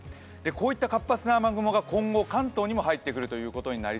こういった活発な雨雲が今後、関東にも入ってきます。